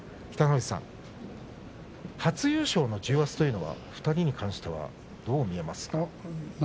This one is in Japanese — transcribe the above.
北の富士さん、初優勝の重圧というのは２人に関してはどう見ていますか。